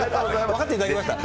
分かっていただけました？